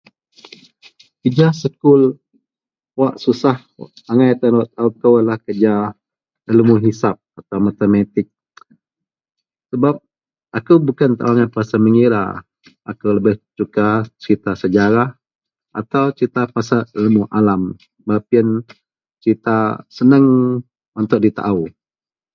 Kerja sekul wak susah angai tan wak tou kou adalah ilmu hisab atau matematik sebab aku bukan tau angai pasal mengira aku lebih suka cerita sejarah atau pasal cerita ilmu alam yian seneang untuk di tau.